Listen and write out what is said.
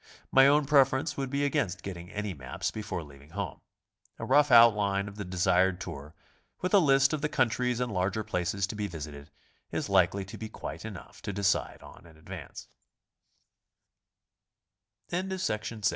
My own preference would be against getting any maps be fore leaving home. A rough outline of the deshed tour, with a list of the countries and larger places to be visited, is likely to be quite enough to decide on